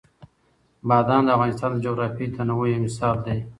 بادام د افغانستان د جغرافیوي تنوع یو مثال دی.